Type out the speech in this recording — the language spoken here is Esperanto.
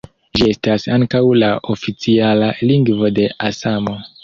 Ĝi estas ankaŭ la oficiala lingvo de Asamo.